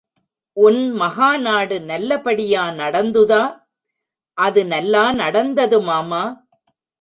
உன் மகாநாடு நல்லபடியா நடந்துதா? அது நல்லா நடந்தது மாமா!